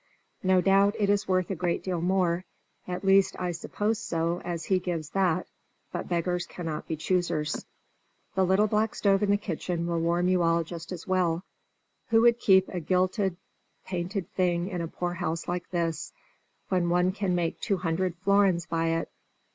No doubt it is worth a great deal more at least I suppose so, as he gives that but beggars cannot be choosers. The little black stove in the kitchen will warm you all just as well. Who would keep a gilded, painted thing in a poor house like this, when one can make two hundred florins by it?